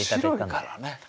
白いからね。